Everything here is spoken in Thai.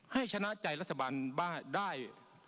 ให้ชนะใจรัฐบาลได้